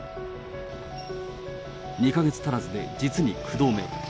２か月足らずで実に９度目。